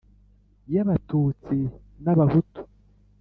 y Abatutsi n Abahutu